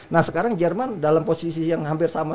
nah sekarang jerman dalam posisi yang hampir sama